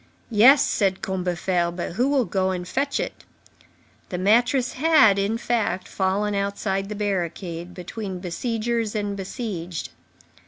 "Yes," said Combeferre, "but who will go and fetch it?" The mattress had, in fact, fallen outside the barricade, between besiegers and besieged.